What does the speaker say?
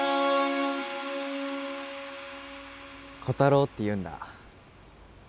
コタロウっていうんだ？